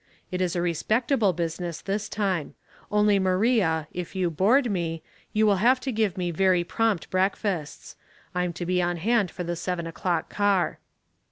" It is a respectable business this time. Only Maria, if you board me, you will have to give me very prompt breakfasts. I'm to be on hand for the seven o'clock car."